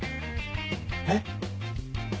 えっ？